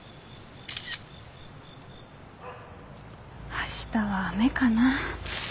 明日は雨かな。